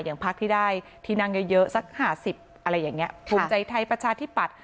พักที่ได้ที่นั่งเยอะสัก๕๐อะไรอย่างนี้ภูมิใจไทยประชาธิปัตย